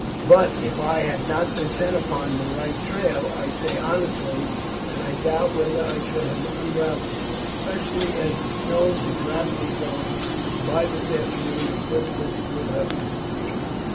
But if I had not been set upon the right trail, I say honestly that I doubt whether I should have unravelled it, especially as the snow is rapidly going, and by this afternoon the footprints will have disappeared."